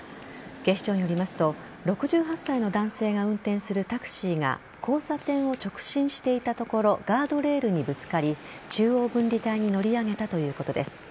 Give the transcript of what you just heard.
警視庁によりますと６８歳の男性が運転するタクシーが交差点を直進していたところガードレールにぶつかり中央分離帯に乗り上げたということです。